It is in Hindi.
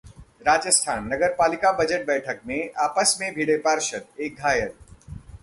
राजस्थान: नगरपालिका बजट बैठक में आपस में भिड़े पार्षद, एक घायल